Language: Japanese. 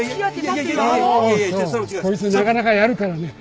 こいつなかなかやるからね。